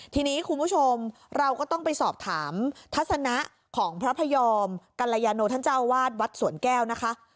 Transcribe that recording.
ทีนี้คุณผู้ชมเราก็ต้องไปสอบถามทัศนะของพระพยอมกัลยาโนท่านเจ้าวาดวัดสวนแก้วนะคะ